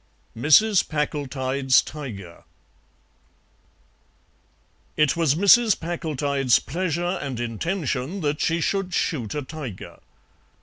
MRS. PACKLETIDE'S TIGER It was Mrs. Packletide's pleasure and intention that she should shoot a tiger.